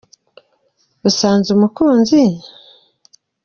Usanze umukunzi?